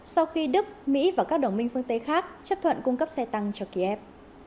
sau khi đức mỹ và các đồng minh phương tây khác chấp thuận cung cấp xe tăng cho kiev